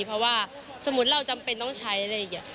เพราะว่าสมมุติเราจำเป็นต้องใช้อะไรอย่างนี้